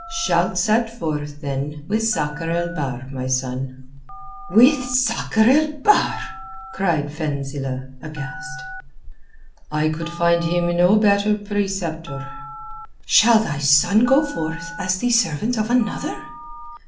"Shalt set forth, then, with Sakr el Bahr, my son." "With Sakr el Bahr?" cried Fenzilch aghast. "I could find him no better preceptor." "Shall thy son go forth as the servant of another?"